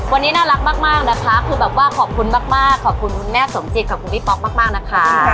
วันนี้น่ารักมากนะคะคือแบบว่าขอบคุณมากขอบคุณคุณแม่สมจิตขอบคุณพี่ป๊อกมากนะคะ